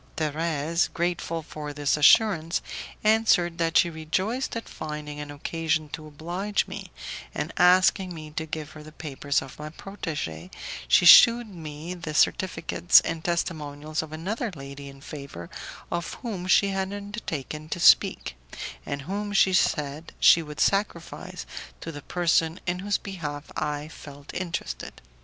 Thérèse, grateful for this assurance, answered that she rejoiced at finding an occasion to oblige me, and, asking me to give her the papers of my protege, she shewed me the certificates and testimonials of another lady in favour of whom she had undertaken to speak, and whom, she said, she would sacrifice to the person in whose behalf I felt interested.